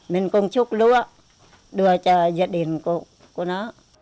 mình cũng chúc lúa đưa cho gia đình của nó